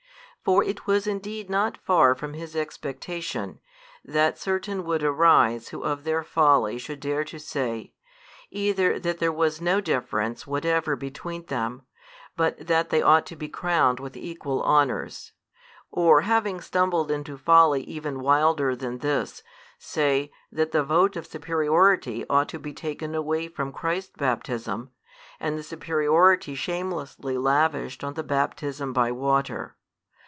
For it was indeed not far from his expectation, that certain would arise who of their folly should dare to say, either that there was no difference whatever between them, but that they ought to be crowned with equal honours; or, having stumbled into folly even wilder than this, say, that the vote of superiority ought to be taken away from Christ's baptism, and the superiority shamelessly lavished on the baptism by water.